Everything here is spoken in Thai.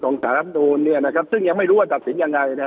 นะครับเพราะฉะนั้นแล้วเนี่ย